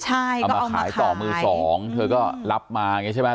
เอามาขายต่อมือสองเธอก็รับมาใช่ไหม